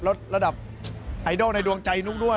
ระดับไอดอลในดวงใจนุ๊กด้วย